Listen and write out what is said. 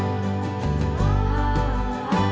kalau udah duanya lidah